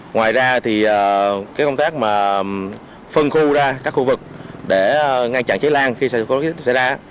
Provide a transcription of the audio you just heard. ngoài ra thì công tác phân khu ra các khu vực để ngăn chặn cháy lan khi có kích thích xảy ra